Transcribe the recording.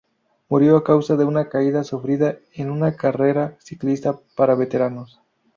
Murió a causa de una caída sufrida en una carrera ciclista para veteranos.